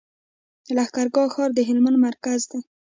لښکر ګاه ښار د هلمند مرکز دی.